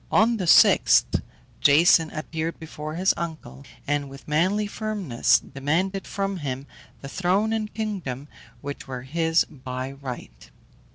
On the sixth, Jason appeared before his uncle, and with manly firmness demanded from him the throne and kingdom which were his by right.